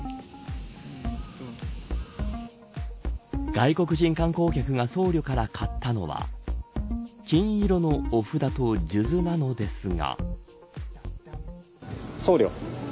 外国人観光客が僧侶から買ったのは金色のお札と数珠なのですが。